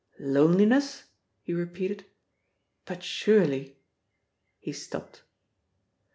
"Loneliness!" he repeated. "But surely " He stopped.